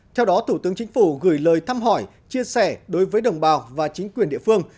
theo đó thủ tướng chính phủ gửi lời thăm hỏi chia sẻ đối với đồng bào và chính quyền địa phương